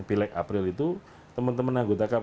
pilek april itu teman teman ada yang berpikir bahwa